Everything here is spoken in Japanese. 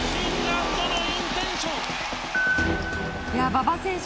馬場選手